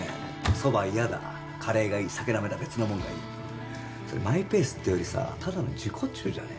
そば嫌だカレーがいい酒ダメだ別のもんがいいマイペースっていうよりさただの自己中じゃね？